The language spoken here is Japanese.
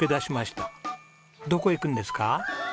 どこ行くんですか？